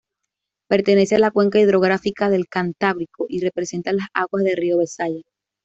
Pertenece a la Cuenca hidrográfica del Cantábrico y represa las aguas del río Besaya.